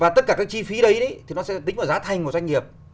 tất cả các chi phí đấy thì nó sẽ tính vào giá thành của doanh nghiệp